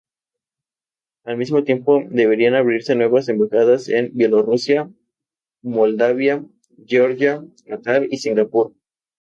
Al mismo tiempo, deberían abrirse nuevas embajadas en Bielorrusia, Moldavia, Georgia, Qatar y Singapur.